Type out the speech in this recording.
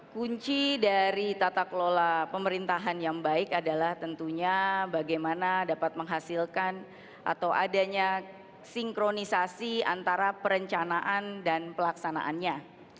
kunci dari tata kelola pemerintahan yang baik adalah tentunya bagaimana dapat menghasilkan atau adanya sinkronisasi antara perencanaan dan pelaksanaannya